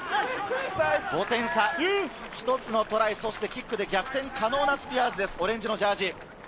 ５点差、一つのトライとキックで逆転可能なスピアーズです、オレンジのジャージー。